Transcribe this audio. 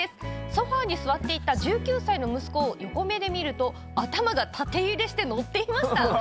そばに座っていた１９歳の息子横目で見ると頭が揺れて乗っていました。